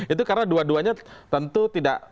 itu karena dua duanya tentu tidak